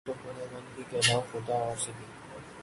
تم خداوند ہی کہلاؤ‘ خدا اور سہی